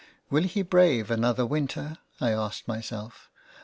" Will he brave another winter ?" I asked myself.